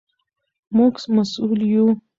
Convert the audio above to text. موږ مسوول یو.